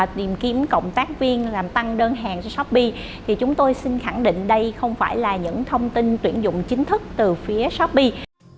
tìm kiếm cộng tác viên làm tăng đơn hàng cho shopee thì chúng tôi xin khẳng định đây không phải là những thông tin tuyển dụng chính thức từ phía shopee